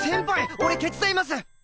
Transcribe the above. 俺手伝います！